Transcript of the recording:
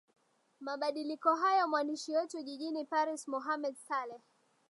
mabadiliko hayo mwandishi wetu jijini paris mohamed saleh